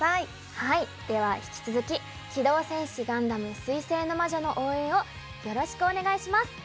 はいでは引き続き「機動戦士ガンダム水星の魔女」の応援をよろしくお願いします。